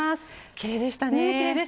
きれいでしたね。